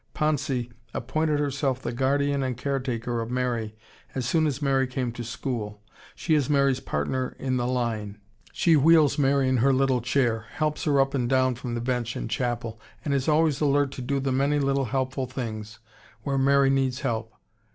"Pontsi" appointed herself the guardian and caretaker of Mary as soon as Mary came to school; she is Mary's partner in the line; she wheels Mary in her little chair; helps her up and down from the bench in chapel; and is always alert to do the many little helpful things where Mary needs help.